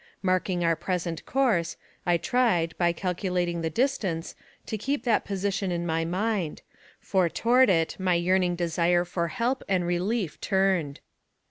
Marking our present course, I tried, by calculating the distance, to keep that position in my mind, for toward it my yearning desire for help and relief turned.